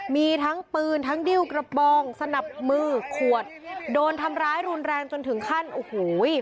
มีทั้งปืนทั้งดิ้วกระปองสนับมือขวดโดนทำร้ายรุนแรงจนถึงขั้นโอ้โห